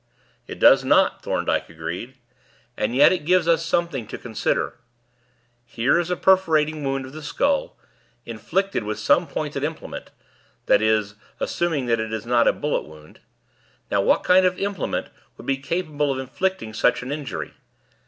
"It does not," Thorndyke agreed, "and yet it gives us something to consider. Here is a perforating wound of the skull, inflicted with some pointed implement that is, assuming that it is not a bullet wound. Now, what kind of implement would be capable of inflicting such an injury?